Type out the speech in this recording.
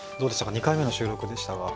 ２回目の収録でしたが。